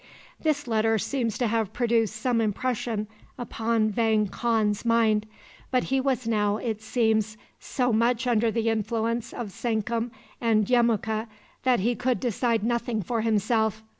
This letter seems to have produced some impression upon Vang Khan's mind; but he was now, it seems, so much under the influence of Sankum and Yemuka that he could decide nothing for himself.